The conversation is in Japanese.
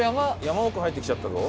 山奥入ってきちゃったぞ。